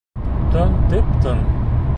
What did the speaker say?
Төн тып-тын.